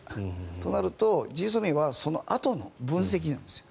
となるとＧＳＯＭＩＡはそのあとの分析なんですよ。